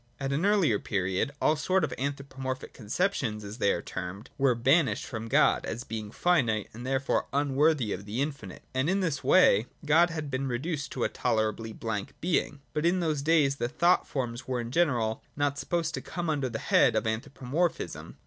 At an earlier period all sort of anthropomorphic conceptions, as they are termed, were banished from God, as being finite and therefore unworthj' of the infinite ; and in this way God had been reduced to a tolerabl}' blank being. But in those days the thought forms were in general not supposed to come under the head of anthropomorphism.